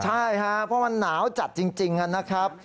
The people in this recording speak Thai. ใช่เพราะว่ามันหนาวจัดจริงนะครับ